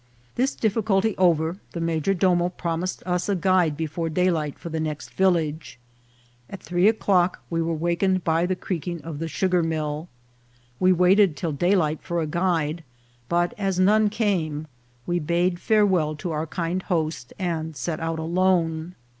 This difficulty over, the major domo promised us a guide before daylight for the next village. At three o'clock we were wakened by the creaking of the sugar mill. We waited till daylight for a guide, but as none came we bade farewell to our kind host, and set out alone.